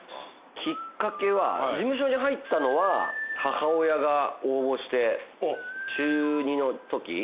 きっかけは事務所に入ったのは母親が応募して中２のとき１４歳のときですね。